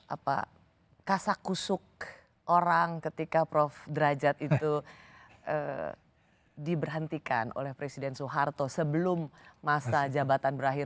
apa kasakusuk orang ketika prof derajat itu diberhentikan oleh presiden soeharto sebelum masa jabatan berakhir